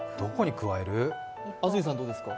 安住さんどうですか。